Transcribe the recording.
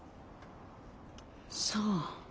そう。